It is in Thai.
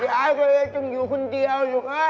ยายก็เลยต้องอยู่คนเดียวอยู่ใกล้